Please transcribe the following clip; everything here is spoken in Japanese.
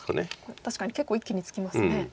確かに結構一気につきますね。